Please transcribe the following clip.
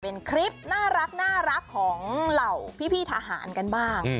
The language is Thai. เป็นคลิปน่ารักของเหล่าพี่ทหารกันบ้าง